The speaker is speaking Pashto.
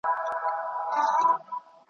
ووایه: په څه نامه دې ياد کړم؟